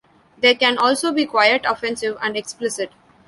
They can also be quite offensive and explicit.